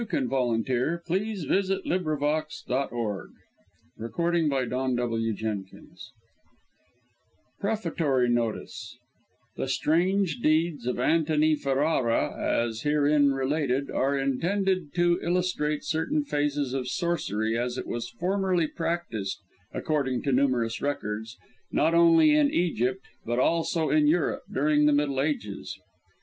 THE ELEMENTAL XXXI. THE BOOK OF THOTH PREFATORY NOTICE The strange deeds of Antony Ferrara, as herein related, are intended to illustrate certain phases of Sorcery as it was formerly practised (according to numerous records) not only in Ancient Egypt but also in Europe, during the Middle Ages.